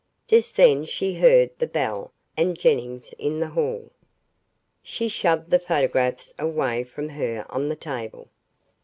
Just then she heard the bell and Jennings in the hall. She shoved the photographs away from her on the table.